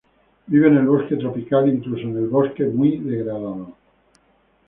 Vive en el bosque tropical, incluso en el bosque muy degradado.